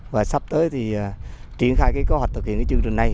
và sắp tới thì triển khai cơ hoạch thực hiện chương trình này